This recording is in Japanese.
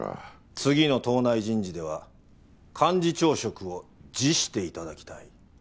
次の党内人事では幹事長職を辞していただきたい。